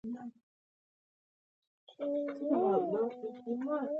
شتمن خلک د دنیا مال د آخرت توښه ګڼي.